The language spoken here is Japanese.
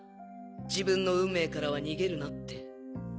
自分の運命からは逃げるなって。